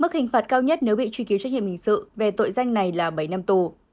mức hình phạt cao nhất nếu bị truy cứu trách nhiệm hình sự về tội danh này là bảy năm tù